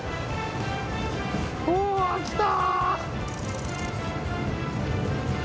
うわ来たっ！